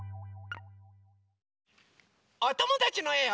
おともだちのえを。